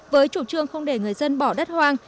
với chủ trương không để người dân bỏ đất hoang